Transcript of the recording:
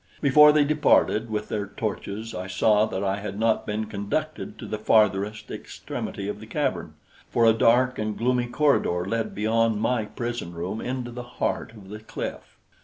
Before they departed with their torches, I saw that I had not been conducted to the farthest extremity of the cavern, for a dark and gloomy corridor led beyond my prison room into the heart of the cliff.